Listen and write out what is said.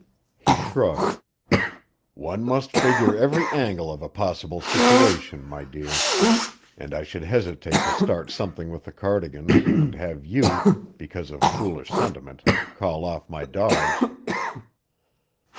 He shrugged. "One must figure every angle of a possible situation, my dear, and I should hesitate to start something with the Cardigans, and have you, because of foolish sentiment, call off my dogs."